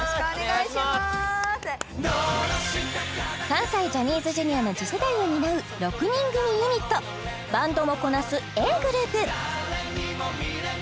関西ジャニーズＪｒ．の次世代を担う６人組ユニットバンドもこなすＡぇ！